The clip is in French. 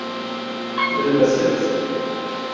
Et quelle est l’assiette?